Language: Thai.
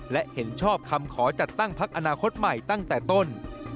และเห็นชอบคำขอจัดตั้งพักอนาคตใหม่ตั้งแต่ต้น